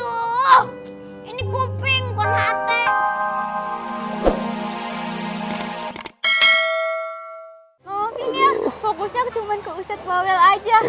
oh vinyal fokusnya cuma ke ustadz bawel aja